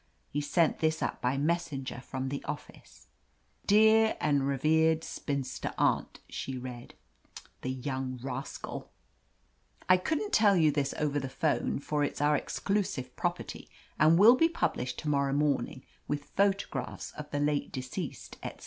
He sent this up by messenger from the office :" *Dear and revered spinster aunt,' " she read — "the young rascal ! *I couldn't tell you 114 OF LETITIA CARBERRY this over the 'phone, for it's our exclusive property, and will be published to morrow morning, with photographs of the late de ceased, etc.